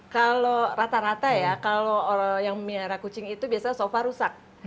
kalau rata rata ya kalau orang yang melihara kucing itu biasanya sofa rusak